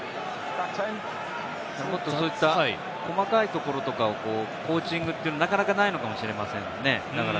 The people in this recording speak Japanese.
そういった細かいところとかをコーチングというのは、なかなかないのかもしれませんね。